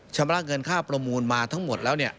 ชำระเงินค่าประมูลมาทั้งหมดแล้ว